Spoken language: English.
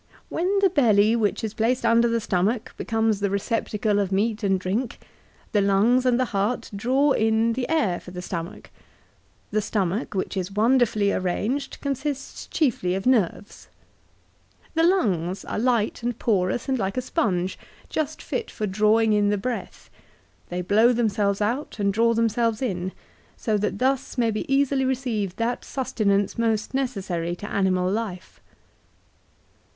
" When the belly which is placed under the stomach becomes the receptacle of meat and drink, the lungs and the heart draw in the air for the stomach. The stomach, which is wonderfully arranged, consists chiefly of nerves." " The lungs are light and porous and like a sponge, just fit for drawing in the breath. They blow themselves out and draw themselves in, so that thus may be easily received that sustenance most necessary to animal life."